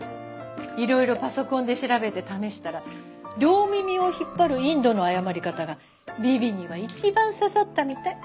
いろいろパソコンで調べて試したら両耳を引っ張るインドの謝り方がビビには一番刺さったみたい。